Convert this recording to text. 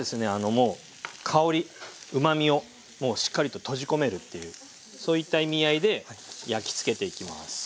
もう香りうまみをしっかりと閉じ込めるっていうそういった意味合いで焼きつけていきます。